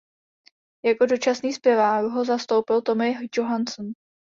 Jako dočasný zpěvák ho zastoupil Tommy Johansson.